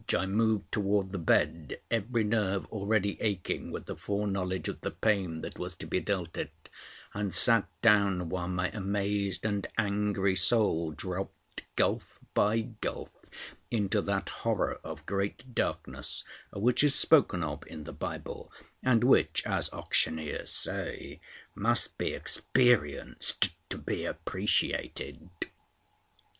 I moved toward the bed, every nerve already aching with the foreknowledge of the pain that was to be dealt it, and sat down, while my amazed and angry soul dropped, gulf by gulf, into that horror of great darkness which is spoken of in the Bible, and which, as auctioneers say, must be experienced to be appreciated.